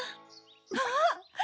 あっ！